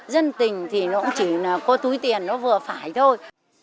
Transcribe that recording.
dân tình thì nó cũng chỉ là có túi tiền nó vừa phải thôi